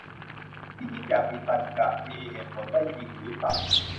ที่คิดอย่างมีตรรกะ มีเหตุผลได้จริงหรือเปล่า